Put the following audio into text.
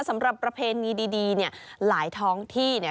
ประเพณีดีเนี่ยหลายท้องที่เนี่ย